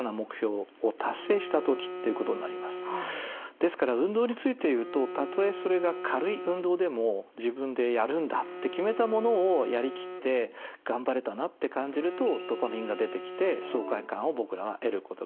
ですから運動についていうとたとえそれが軽い運動でも自分でやるんだって決めたものをやりきって頑張れたなって感じるとドパミンが出てきて爽快感を僕らは得ることができてる。